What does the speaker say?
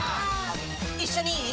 一緒にいい？